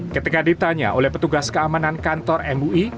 ketika ditanya oleh petugas keamanan kantor mui